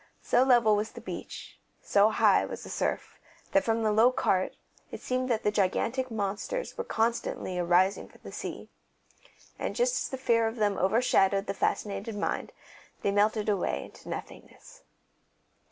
So level was the beach, so high was the surf, that from the low cart it seemed that gigantic monsters were constantly arising from the sea; and just as the fear of them overshadowed the fascinated mind, they melted away again into nothingness.